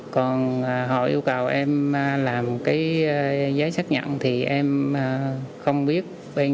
còn họ yêu cầu em làm cái giấy xác nhận thì em không biết bên